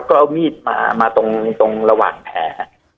ก็เอามีดมามาตรงระหว่างแผล